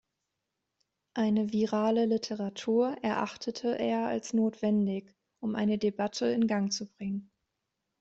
Eine „virale Literatur“ erachtete er als notwendig, um eine Debatte in Gang zu bringen.